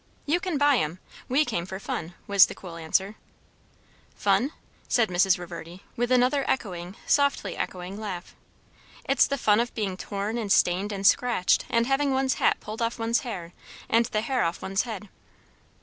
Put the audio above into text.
"You can buy 'em. We came for fun," was the cool answer. "Fun?" said Mrs. Reverdy with another echoing, softly echoing, laugh; "it's the fun of being torn and stained and scratched, and having one's hat pulled off one's hair, and the hair off one's head."